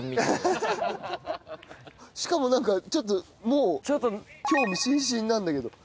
しかも何かちょっともう興味津々なんだけど。